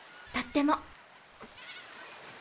とっても。